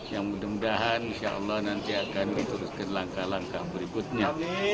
yang mudah mudahan insya allah nanti akan diteruskan langkah langkah berikutnya